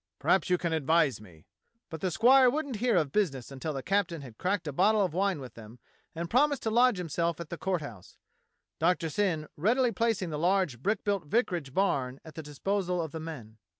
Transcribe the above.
Perhaps you can ad vise me?" But the squire wouldn't hear of business until the captain had cracked a bottle of wine with them and promised to lodge himself at the Court House, Doctor Syn readily placing the large brick built vicar age barn at the disposal of the men.